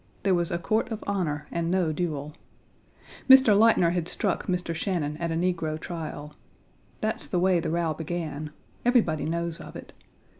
There was a court of honor and no duel. Mr. Leitner had struck Mr. Shannon at a negro trial. That's the way the row began. Everybody knows of it.